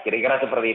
kira kira seperti itu